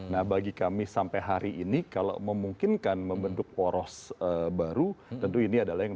nah bagi kami sampai hari ini kalau memungkinkan membentuk poros baru tentu ini adalah yang